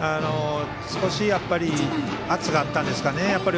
少し圧があったんですかね。